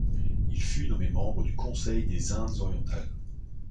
Il fut nommé membre du Conseil des Indes orientales.